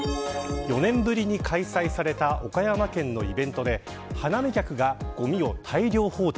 ４年ぶりに開催された岡山県のイベントで、花見客がごみを大量放置。